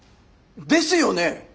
ですよね！